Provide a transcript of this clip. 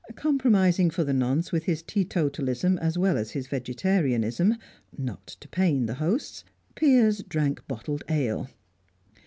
Compromising for the nonce with his teetotalism as well as his vegetarianism not to pain the hosts Piers drank bottled ale.